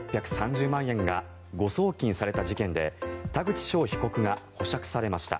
給付金４６３０万円が誤送金された事件で田口翔被告が保釈されました。